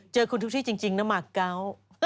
เจอคุณทุกทีจริงมาเก้า